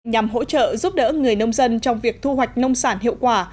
nhằm hỗ trợ giúp đỡ người nông dân trong việc thu hoạch nông sản hiệu quả